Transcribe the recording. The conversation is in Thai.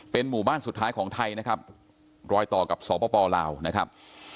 หมู่บ้านสุดท้ายของไทยนะครับรอยต่อกับสปลาวนะครับ